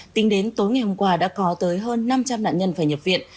tính đến tối ngày hôm qua đã có tới hơn năm trăm linh nạn nhân phải nhập viện